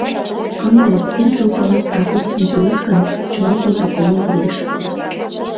Ынде кум тылзылан страховкым тӱлет гын, чыла «по закону» лиеш.